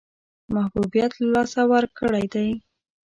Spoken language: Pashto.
محبوبیت له لاسه ورکړی دی.